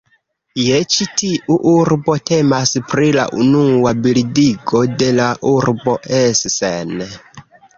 Je ĉi tiu urbo temas pri la unua bildigo de la urbo Essen.